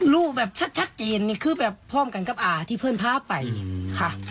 รูปแบบชัดเจนนี่คือแบบพร้อมกันกับอาที่เพื่อนพาไปค่ะ